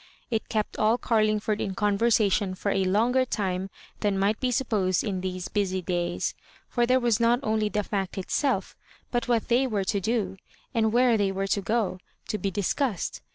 It kept all Garlingford in conversation for a longer time than might be supposed in these busy days, for there was not only the fact itself; but what they were to do, and where they were to go, to be discussed.